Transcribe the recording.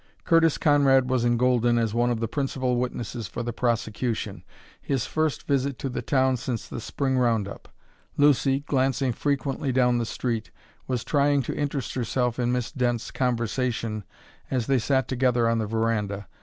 Curtis Conrad was in Golden as one of the principal witnesses for the prosecution his first visit to the town since the Spring round up. Lucy, glancing frequently down the street, was trying to interest herself in Miss Dent's conversation as they sat together on the veranda.